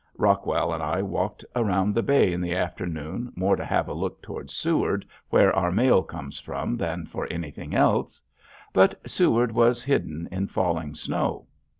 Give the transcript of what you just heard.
Rockwell and I walked around the bay in the afternoon more to have a look toward Seward where our mail comes from than for anything else. But Seward was hidden in falling snow.